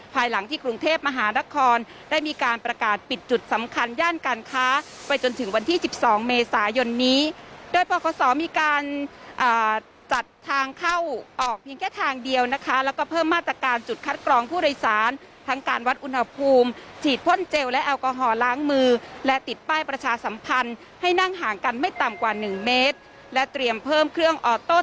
ภายหลังที่กรุงเทพมหานครได้มีการประกาศปิดจุดสำคัญย่านการค้าไปจนถึงวันที่๑๒เมษายนนี้โดยปคศมีการจัดทางเข้าออกเพียงแค่ทางเดียวนะคะแล้วก็เพิ่มมาตรการจุดคัดกรองผู้โดยสารทั้งการวัดอุณหภูมิฉีดพ่นเจลและแอลกอฮอลล้างมือและติดป้ายประชาสัมพันธ์ให้นั่งห่างกันไม่ต่ำกว่าหนึ่งเมตรและเตรียมเพิ่มเครื่องออโต้